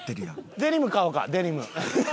デニム買おうかデニム。